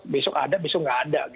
besok ada besok nggak ada